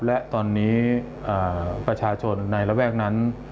และตอนนี้ประชาชนในระแวกนั้น